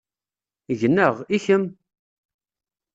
Gneɣ, i kemm?